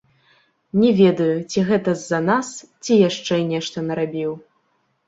Не ведаю, ці гэта з-за нас, ці яшчэ нешта нарабіў.